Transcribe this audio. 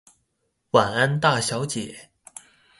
晚安大小姐